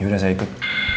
yaudah saya ikut